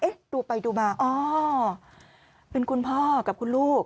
เอ๊ะดูไปดูมาเป็นคุณพ่อกับคุณลูก